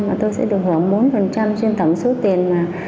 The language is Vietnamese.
và tôi sẽ được hưởng bốn trên tổng số tiền